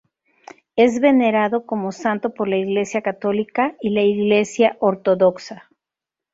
Es venerado como santo por la Iglesia católica y la Iglesia Ortodoxa.